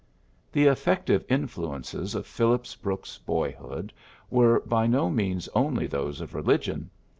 The effective influences of Phillips Brooks's boyhood were by no means only those of religion.